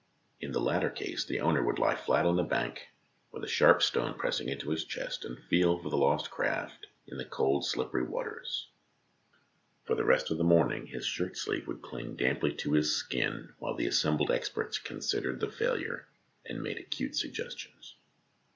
In the latter case the owner would lie flat on the bank with a sharp stone pressing into his chest, and feel for the lost craft in the cold, slippery waters ; for the rest of the morning his shirt sleeve would cling damply to his skin, while the assembled experts considered the failure and made acute suggestions.